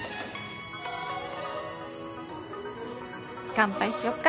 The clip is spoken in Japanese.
乾杯しよっか。